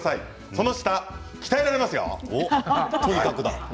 その舌、鍛えられますよ！